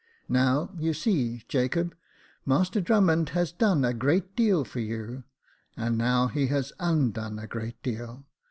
Now, you see, Jacob, Master Drummond has done a great deal for you, and now he has undone a great deal.